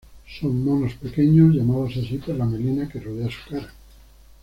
Son monos pequeños, llamados así por la melena que rodea su cara.